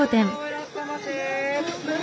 いらっしゃいませ。